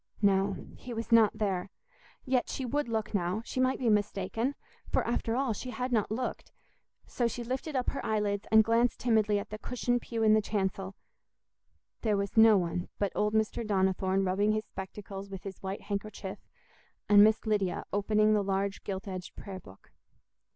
No, he was not there; yet she would look now—she might be mistaken—for, after all, she had not looked. So she lifted up her eyelids and glanced timidly at the cushioned pew in the chancel—there was no one but old Mr. Donnithorne rubbing his spectacles with his white handkerchief, and Miss Lydia opening the large gilt edged prayer book.